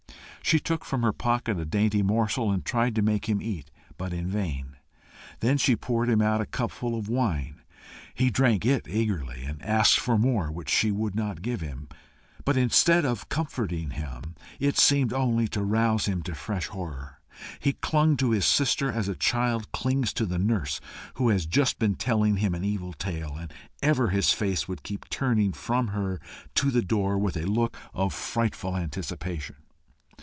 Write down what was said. She took from her pocket a dainty morsel, and tried to make him eat, but in vain. Then she poured him out a cupful of wine. He drank it eagerly, and asked for more, which she would not give him. But instead of comforting him, it seemed only to rouse him to fresh horror. He clung to his sister as a child clings to the nurse who has just been telling him an evil tale, and ever his face would keep turning from her to the door with a look of frightful anticipation.